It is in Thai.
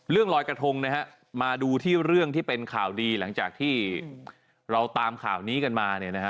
ลอยกระทงนะฮะมาดูที่เรื่องที่เป็นข่าวดีหลังจากที่เราตามข่าวนี้กันมาเนี่ยนะฮะ